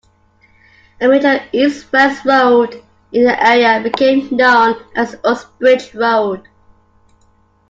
A major east-west road in the area became known as the Uxbridge Road.